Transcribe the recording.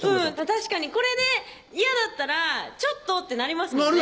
確かにこれで嫌だったら「ちょっと」ってなりますもんね